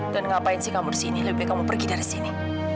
dan ngapain sih kamu di sini lebih baik kamu pergi dari sini